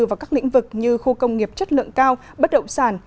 vào các lĩnh vực như khu công nghiệp chất lượng cao bất động sản